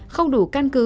không đủ căn cứ